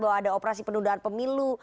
bahwa ada operasi penundaan pemilu